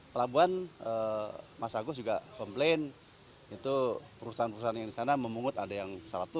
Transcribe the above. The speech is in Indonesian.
di labuan mas agus juga komplain itu perusahaan perusahaan yang disana memungut ada yang seratus satu ratus lima puluh